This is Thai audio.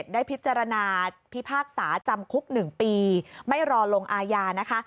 ได้พิจารณาพิพากษาจำคุก๑ปีไม่รอลงอาญานะคะ